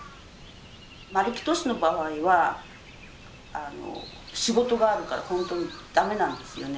丸木俊の場合は仕事があるからほんとにダメなんですよね。